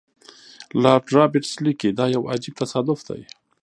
لارډ رابرټس لیکي دا یو عجیب تصادف دی.